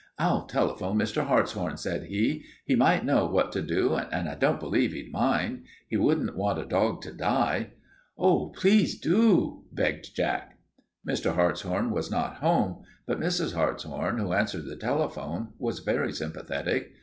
"I'll telephone Mr. Hartshorn," said he. "He might know what to do, and I don't believe he'd mind. He wouldn't want a dog to die." "Oh, please do," begged Jack. Mr. Hartshorn was not home, but Mrs. Hartshorn, who answered the telephone, was very sympathetic.